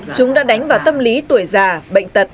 chúng đã đánh vào tâm lý tuổi già bệnh tật